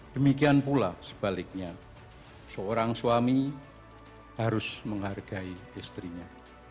demikian pula sebaliknya seorang suami harus menghargai istrinya